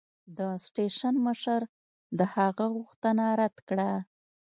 د سټېشن مشر د هغه غوښتنه رد کړه.